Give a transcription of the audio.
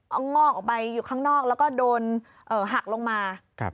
เอางอกออกไปอยู่ข้างนอกแล้วก็โดนหักลงมา